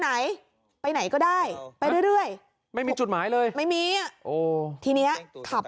ไหนไปไหนก็ได้ไปเรื่อยไม่มีจุดหมายเลยไม่มีอ่ะโอ้ทีเนี้ยขับ